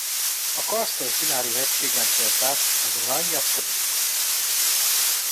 A karsztos Dinári-hegységen tör át a Zrmanja-folyó.